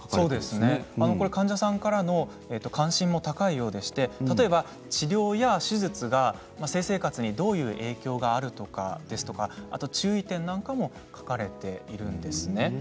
患者さんからも関心が高いようでして治療や手術が性生活にどう影響があるのか注意点なんかも書かれているんですね。